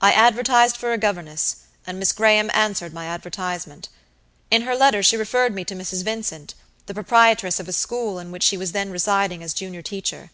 I advertised for a governess, and Miss Graham answered my advertisement. In her letter she referred me to Mrs. Vincent, the proprietress of a school in which she was then residing as junior teacher.